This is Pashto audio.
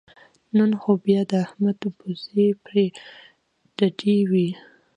نن خو بیا د احمد پوزې پرې ډډې وې